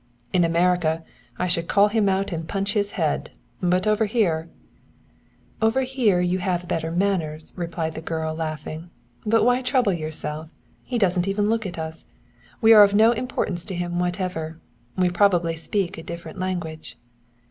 "In America I should call him out and punch his head, but over here " "Over here you have better manners," replied the girl, laughing. "But why trouble yourself? He doesn't even look at us. We are of no importance to him whatever. We probably speak a different language."